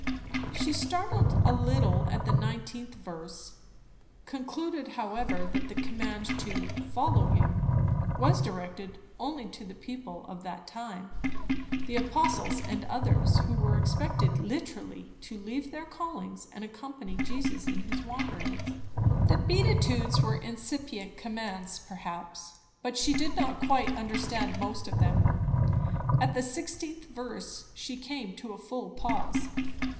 _ She startled a little at the 19th verse; concluded however that the command to "follow him" was directed only to the people of that time, the apostles and others, who were expected literally to leave their callings and accompany Jesus in his wanderings. The beatitudes were incipient commands, perhaps. But she did not quite understand most of them. At the 16th verse she came to a full pause.